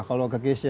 kalau ke case nya